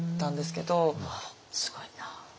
すごいな。